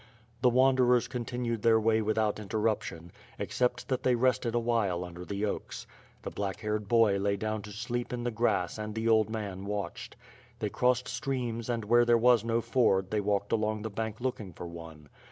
The wan derers continued their way without interruption, except that they rested awhile under the oaks. The black haired boy lay down to sleep in the grass and the old man watched. They crossed streams and where they was no ford they walked along the bank looking for one.